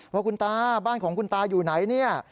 ว่าคุณตาบ้านของคุณตาอยู่ไหนเนี่ย